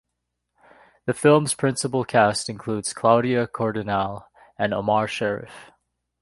The film's principal cast includes Claudia Cardinale and Omar Sharif.